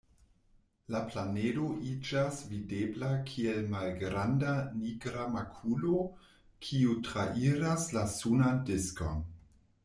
La planedo iĝas videbla kiel malgranda nigra makulo, kiu trairas la sunan diskon.